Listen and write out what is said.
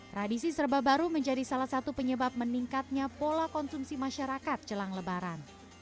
tradisi serba baru menjadi salah satu penyebab meningkatnya pola konsumsi masyarakat jelang lebaran